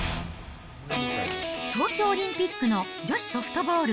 東京オリンピックの女子ソフトボール。